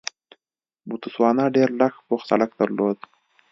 بوتسوانا ډېر لږ پوخ سړک درلود.